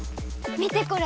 見てこれ。